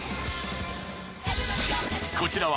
こちらは